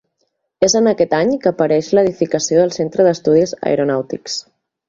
És en aquest any que apareix l'edificació del Centre d'Estudis Aeronàutics.